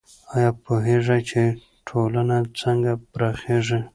آیا پوهېږئ چې ټولنه څنګه پراخیږي؟